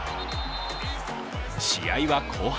試合は後半。